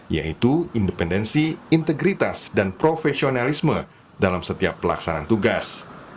yaitu independensi integritas dan profesionalisme dalam setiap pelaksanaan tugas